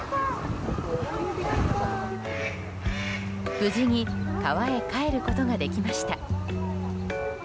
無事に川へかえることができました。